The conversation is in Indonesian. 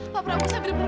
maaf pak prabu